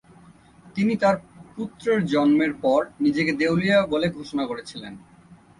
তিনি তার পুত্রের জন্মের পর নিজেকে দেউলিয়া বলে ঘোষণা করেছিলেন।